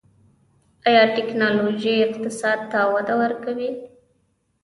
آیا ټیکنالوژي اقتصاد ته وده ورکوي؟